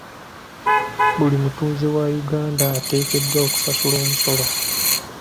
Buli mutuuze wa Uganda ateekeddwa okusasula omusolo.